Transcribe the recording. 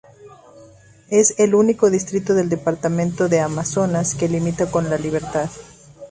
Es el único distrito del departamento de Amazonas que limita con La Libertad.